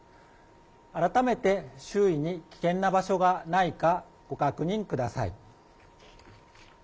改めて周囲に危険な場所がないかご確認ください。